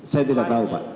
saya tidak tahu pak